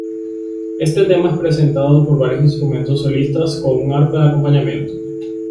Este tema es presentado por varios instrumentos solistas con un arpa de acompañamiento.